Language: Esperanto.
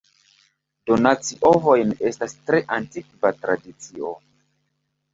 Donaci ovojn estas tre antikva tradicio.